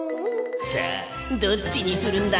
さあどっちにするんだ？